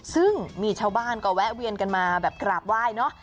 ซึ่งมีชาวบ้านก็แวะเวียนกันมาแบบกราบไหว้เนอะ